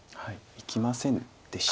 いきませんでした。